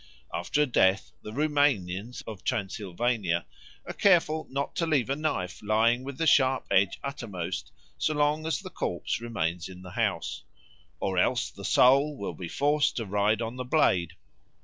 After a death the Roumanians of Transylvania are careful not to leave a knife lying with the sharp edge uppermost so long as the corpse remains in the house, "or else the soul will be forced to ride on the blade."